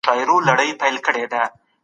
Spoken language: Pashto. مقاوم خلک فشار ښه اداره کوي.